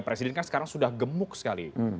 presiden kan sekarang sudah gemuk sekali